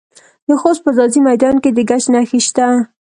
د خوست په ځاځي میدان کې د ګچ نښې شته.